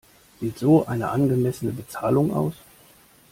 Sieht so eine angemessene Bezahlung aus?